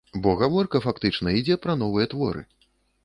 Бо гаворка, фактычна, ідзе пра новыя творы.